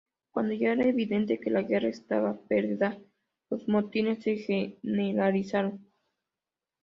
Cuando ya era evidente que la guerra estaba perdida, los motines se generalizaron.